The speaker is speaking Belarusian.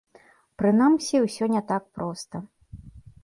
Прынамсі, усё не так проста.